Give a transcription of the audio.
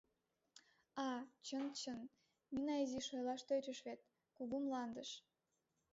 А-а, чын, чын, Нина изиш ойлаш тӧчыш вет: Кугу Мландыш!